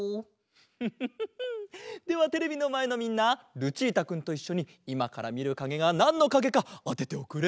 フフフフではテレビのまえのみんなルチータくんといっしょにいまからみるかげがなんのかげかあてておくれ。